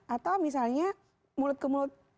atau misalnya mulut ke mulut